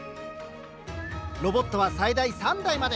ロボットは最大３台まで。